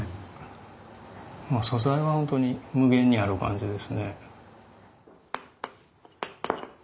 素材は本当に無限にある感じですね。